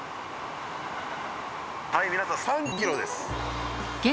はい皆さん３ｋｍです